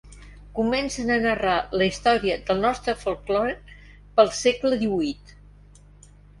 Comence a narrar la història del nostre folklore pel segle díhuit.